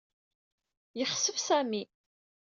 Yexsef Sami.